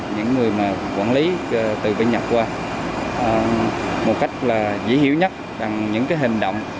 những người mà quản lý từ bên nhật qua một cách là dĩ hiểu nhất bằng những cái hành động